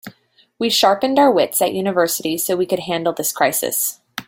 We sharpened our wits at university so we could handle this crisis.